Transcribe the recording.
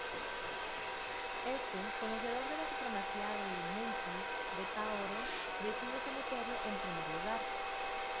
Este, conocedor de la supremacía del "mencey" de Taoro, decide someterlo en primer lugar.